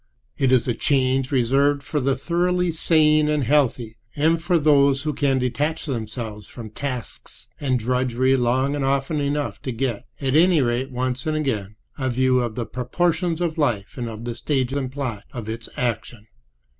It is a change reserved for the thoroughly sane and healthy, and for those who can detach themselves from tasks and drudgery long and often enough to get, at any rate once and again, a view of the proportions of life and of the stage and plot of its action.